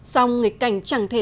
song nghịch cảnh chẳng thể